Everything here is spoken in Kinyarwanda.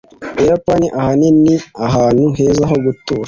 ubuyapani, ahanini, ni ahantu heza ho gutura